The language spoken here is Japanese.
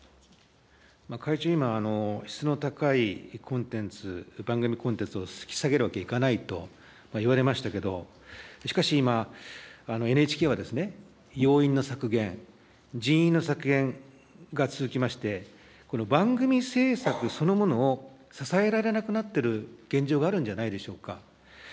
会長、今、質の高いコンテンツ、番組コンテンツを下げるわけにはいかないと言われましたけど、しかし今、ＮＨＫは、要員の削減、人員の削減が続きまして、この番組制作そのものを支えられなくなってる現状があるんじゃないでしょうか。